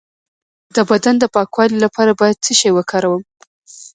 د بدن د پاکوالي لپاره باید څه شی وکاروم؟